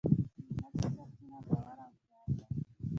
د هڅې سرچینه باور او خیال دی.